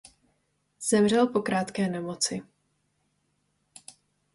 Zemřel po krátké nemoci.